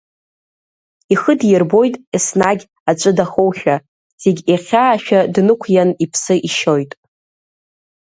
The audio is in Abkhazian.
Ихы дирбоит еснагь аҵәы дахоушәа, зегь ихьаашәа днықәиан иԥсы ишьоит.